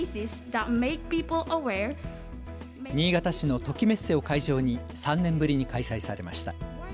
新潟市の朱鷺メッセを会場に３年ぶりに開催されました。